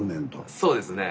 そうですねえ。